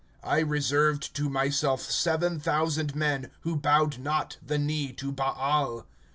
I reserved to myself seven thousand men, who bowed not the knee to Baal.